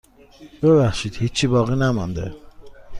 ببخشید هیچی باقی نمانده.